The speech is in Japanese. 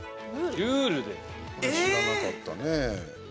知らなかったね。